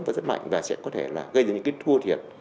và rất mạnh và sẽ có thể là gây ra những cái thua thiệt